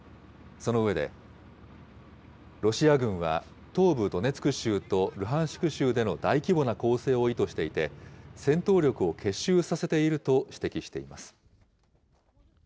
その上で、ロシア軍は、東部ドネツク州とルハンシク州での大規模な攻勢を意図していて、戦闘力を結集させていると指摘しています。